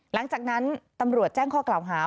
หลังจากนั้นตำรวจแจ้งข้อกล่าวหา